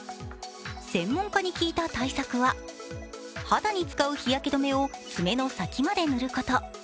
専門家に聞いた対策は肌に使う日焼け止めを爪の先まで塗ること。